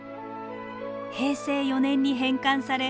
平成４年に返還され